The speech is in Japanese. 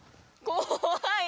怖い。